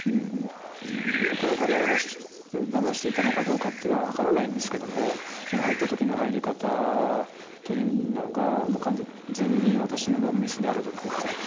この彼らがだましていたのかどうかというのは分からないんですけども入った時の入り方というのが完全に私の凡ミスである部分が大きい。